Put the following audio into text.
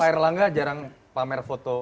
pak erlangga jarang pamer foto